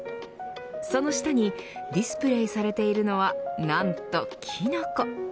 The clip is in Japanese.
その下にディスプレーされているのはなんとキノコ。